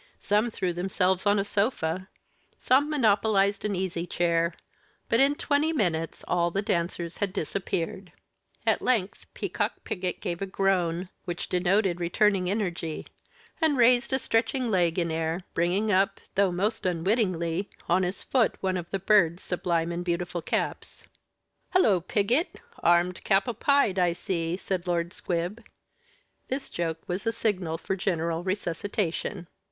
Some threw themselves on a sofa, some monopolized an easy chair; but in twenty minutes all the dancers had disappeared. At length Peacock Piggott gave a groan, which denoted returning energy, and raised a stretching leg in air, bringing up, though most unwittingly, on his foot one of the Bird's sublime and beautiful caps. "Halloo! Piggott, armed cap au pied, I see," said Lord Squib. This joke was a signal for general resuscitation....